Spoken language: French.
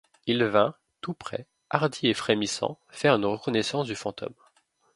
Il vint, tout près, hardi et frémissant, faire une reconnaissance du fantôme.